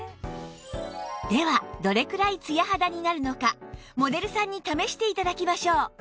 ではどれくらいツヤ肌になるのかモデルさんに試して頂きましょう